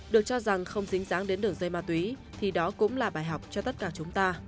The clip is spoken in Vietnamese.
được cho rằng không dính dáng đến đường dây ma túy thì đó cũng là bài học cho tất cả chúng ta